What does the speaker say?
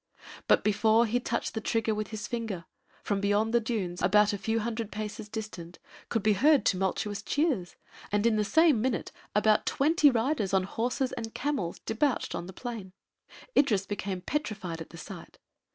But before he touched the trigger with his finger, from beyond the dunes, about a few hundred paces distant, could be heard tumultuous cheers, and in the same minute about twenty riders on horses and camels debouched on the plain. Idris became petrified at the sight.